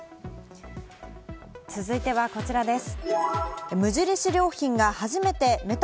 続いてはこちらです。